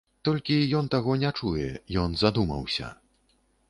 Толькі ён таго не чуе, ён задумаўся.